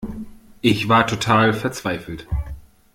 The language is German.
Ich war total verzweifelt.